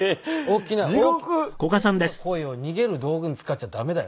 大きな声を逃げる道具に使っちゃ駄目だよ。